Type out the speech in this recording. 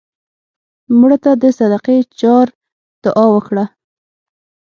مړه ته د صدقې جار دعا وکړه